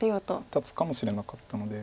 立つかもしれなかったので。